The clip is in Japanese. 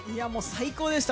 最高でした。